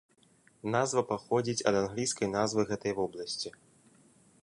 Назва паходзіць ад англійскай назвы гэтай вобласці.